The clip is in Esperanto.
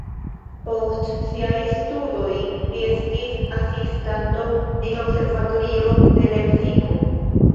Post siaj studoj li estis asistanto en observatorio de Lepsiko.